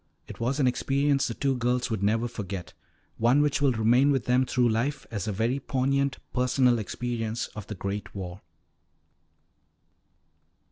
It was an experience the two girls would never forget, one which will remain with them through life as a very poignant personal experience of the Great War.